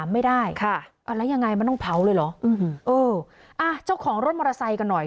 มันต้องเผาเลยเหรอเอออ่าเจ้าของรถมอเตอร์ไซค์กันหน่อย